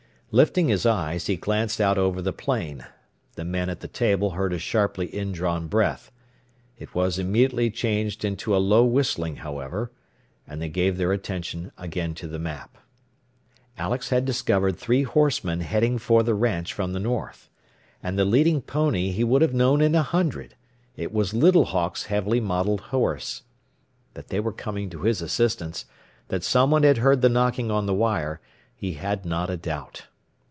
Lifting his eyes, he glanced out over the plain. The men at the table heard a sharply indrawn breath. It was immediately changed into a low whistling, however, and they gave their attention again to the map. Alex had discovered three horsemen heading for the ranch from the north. And the leading pony he would have known in a hundred. It was Little Hawk's heavily mottled horse. That they were coming to his assistance that someone had heard the knocking on the wire he had not a doubt.